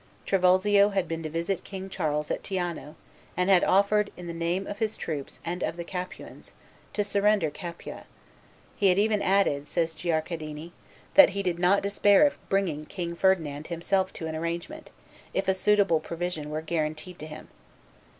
Trivulzio had been to visit King Charles at Teano, and had offered, in the name of his troops and of the Capuans, to surrender Capua; he had even added, says Guicciardini, that he did not despair of bringing King Ferdinand himself to an arrangement, if a suitable provision were guaranteed to him.